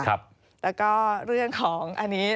แล้วก็เรื่องของอันนี้